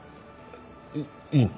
いいの？